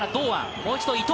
もう一度伊藤。